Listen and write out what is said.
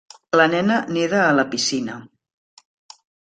La nena neda a la piscina.